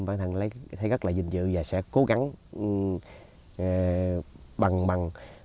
bạn thân thấy rất là dịnh dự và sẽ cố gắng bằng bằng